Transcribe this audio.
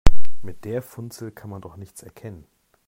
Mit der Funzel kann man doch nichts erkennen.